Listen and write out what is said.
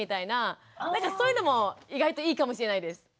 なんかそういうのも意外といいかもしれないです。